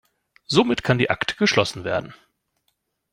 Somit kann die Akte geschlossen werden.